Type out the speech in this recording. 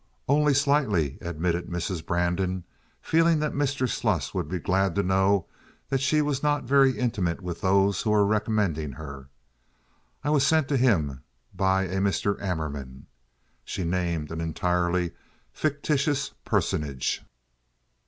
"Only slightly," admitted Mrs. Brandon, feeling that Mr. Sluss would be glad to know she was not very intimate with those who were recommending her. "I was sent to him by a Mr. Amerman." (She named an entirely fictitious personage.)